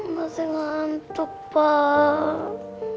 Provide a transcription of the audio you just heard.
masih ngantuk pak